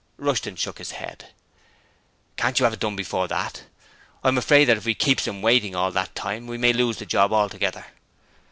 Rushton shook his head. 'Can't you get it done before that? I'm afraid that if we keeps 'im waiting all that time we may lose the job altogether.'